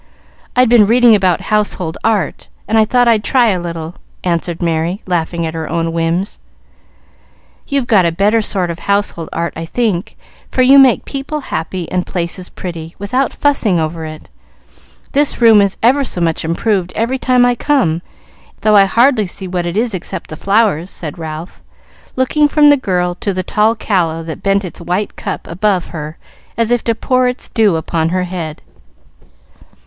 I'd been reading about 'household art,' and I thought I'd try a little," answered Merry, laughing at her own whims. "You've got a better sort of household art, I think, for you make people happy and places pretty, without fussing over it. This room is ever so much improved every time I come, though I hardly see what it is except the flowers," said Ralph, looking from the girl to the tall calla that bent its white cup above her as if to pour its dew upon her head.